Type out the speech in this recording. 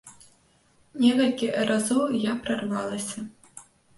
Некалькі разоў я прарвалася.